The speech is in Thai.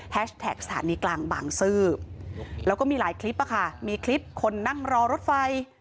สถานีกลางบางซื่อแล้วก็มีหลายคลิปมีคลิปคนนั่งรอรถไฟ